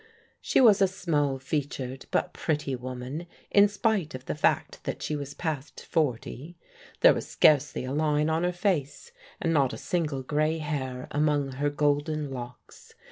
" She was a small featured but pretty woman, in spite of the fact that she was past forty. There was scarcely a line on her face, and not a single gray hair among her golden locks.